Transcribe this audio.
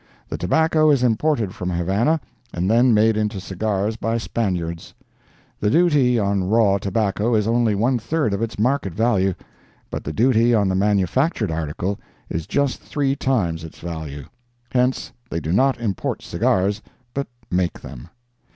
The tobacco is imported from Havana and then made into cigars by Spaniards. The duty on raw tobacco is only one third of its market value, but the duty on the manufactured article is just three times its value. Hence they do not import cigars, but make them.